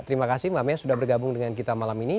terima kasih mbak meya sudah bergabung dengan kita malam ini